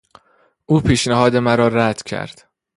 او پیشنهاد مرا رد کرد.